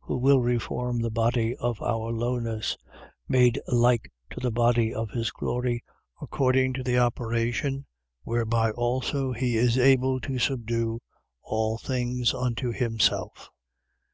Who will reform the body of our lowness, made like to the body of his glory, according to the operation whereby also he is able to subdue all things unto himself.